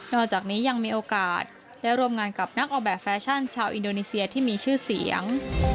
อกจากนี้ยังมีโอกาสได้ร่วมงานกับนักออกแบบแฟชั่นชาวอินโดนีเซียที่มีชื่อเสียง